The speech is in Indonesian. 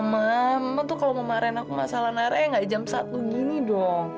mama tuh kalau ngomarin aku masalah nara ya gak jam satu gini dong